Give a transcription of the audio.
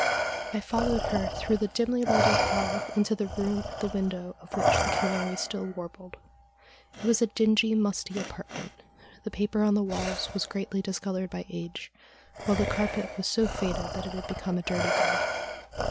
I followed her through the dimly lighted ball into the room at the window of which the canary still warbled. It was a dingy, musty apartment. The paper on the walls was greatly discoloured by age, while the carpet was so faded that it had become a dirty grey.